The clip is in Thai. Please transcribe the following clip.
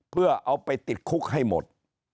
เพื่อเอาไปติดคุกให้หมด